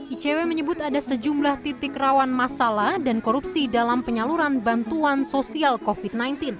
icw menyebut ada sejumlah titik rawan masalah dan korupsi dalam penyaluran bantuan sosial covid sembilan belas